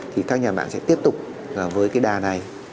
thì các nhà mạng sẽ tiếp tục với cái đà này